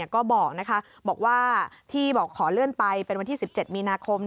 ก็บอกว่าที่บอกขอเลื่อนไปเป็นวันที่๑๗มีนาคม